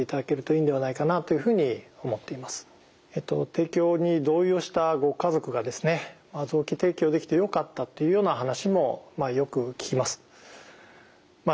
提供に同意をしたご家族がですね臓器提供できてよかったっていうような話もよく聞きます。